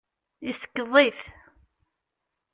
Isekkeḍ-it.